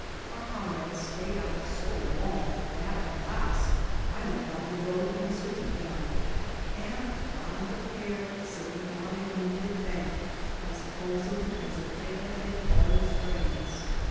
Our comrade staid out so long, that at last I went down the road in search of him, and found the pair sitting on a moonlit bank, as cozily as if they had been always friends.